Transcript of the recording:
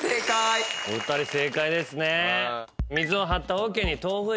お二人正解ですね。